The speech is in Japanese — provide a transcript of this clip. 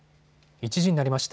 １時になりました。